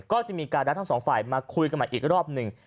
ก็จะมีการนัดทั้งสองฝ่ายมาคุยกันใหม่อีกรอบหนึ่ง